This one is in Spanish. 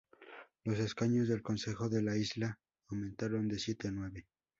Los escaños del Consejo de la Isla aumentaron de siete a nueve.